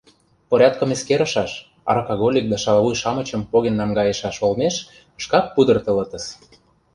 Порядкым эскерышаш, аракаголик да шалавуй-шамычым поген наҥгайышаш олмеш шкак пудыртылытыс.